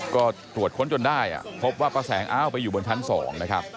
ก็ตรวจค้นจนได้พบว่าป้าแสงอ้าวไปอยู่บนชั้น๒นะครับ